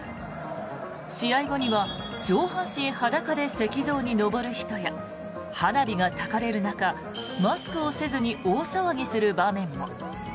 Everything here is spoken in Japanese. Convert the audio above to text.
試合後には上半身裸で石像に上る人や花火がたかれる中マスクをせずに大騒ぎする場面も。